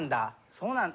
そうなんだ。